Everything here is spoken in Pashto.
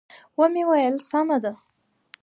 و مې ویل: سمه ده.